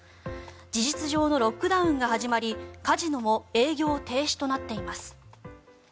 事実上のロックダウンが始まりカジノも営業停止となっています。